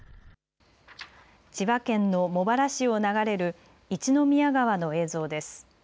千葉県の茂原市を流れる一宮川の映像です。